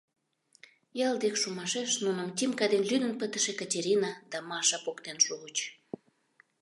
Ял дек шумашеш нуным Тимка ден лӱдын пытыше Катерина да Маша поктен шуыч.